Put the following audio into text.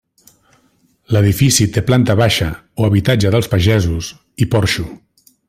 L’edifici té planta baixa, o habitatge dels pagesos, i porxo.